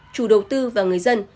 chủ đầu tư và người dân